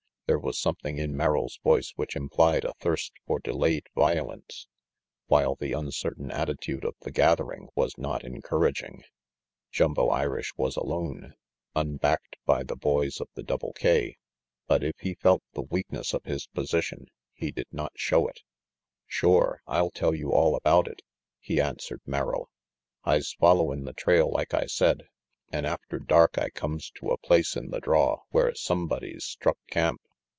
There was something in Merrill's voice which implied a thirst for delayed violence, while the uncertain attitude of the gathering was not encouraging. Jumbo Irish was alone, unbacked by the boys of the Double K, but if he felt the weakness of his position, he did not show it. RANGY PETE 193 "Shore, I'll tell you all about it," he answered Merrill. "I'se folio win' the trail like I said, an' after dark I comes to a place in the draw where sumbody's struck camp.